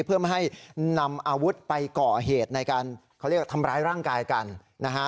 เพื่อไม่ให้นำอาวุธไปก่อเหตุในการเขาเรียกทำร้ายร่างกายกันนะฮะ